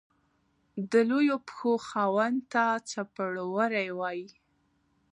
د لويو پښو خاوند ته څپړورے وائي۔